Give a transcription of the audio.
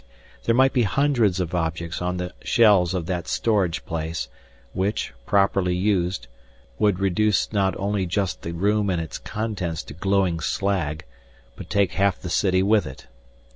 There might be hundreds of objects on the shelves of that storage place, which, properly used, would reduce not only just the room and its contents to glowing slag, but take half the city with it.